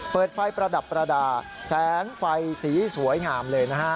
เปิดไฟประดับประดาษแสงไฟสีสวยงามเลยนะฮะ